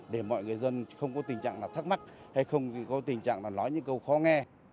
để mọi người dân không có tình trạng là thắc mắc hay không có tình trạng là nói những câu khó nghe